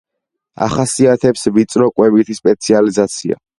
ახასიათებს ვიწრო კვებითი სპეციალიზაცია.